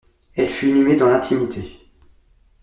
Elle fut inhumée dans l'intimité.